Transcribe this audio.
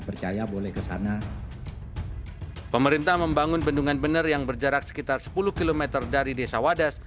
pemerintah membangun bendungan bener yang berjarak sekitar sepuluh km dari desa wadas